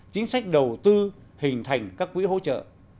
chính sách đầu tư hình thành các quỹ hỗ trợ